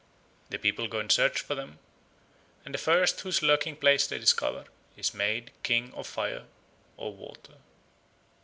The people go and search for them, and the first whose lurking place they discover is made King of Fire or Water.